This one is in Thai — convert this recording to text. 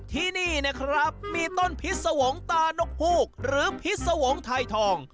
ที่นี่นะครับมีต้นพิษสวงตานกฮูกหรือพิษวงศ์ไทยทอง